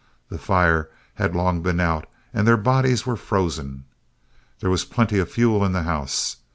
The fire had long been out and their bodies were frozen. There was plenty of fuel in the house.